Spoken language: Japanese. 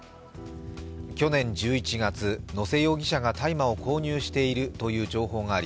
去年１１月、野瀬容疑者が大麻を購入しているという情報があり